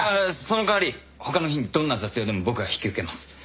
その代わり他の日にどんな雑用でも僕が引き受けます。